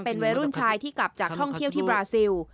เป็นวัยรุ่นชายที่กลับจากท่องเที่ยวที่บราซิล